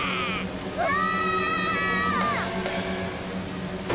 うわ！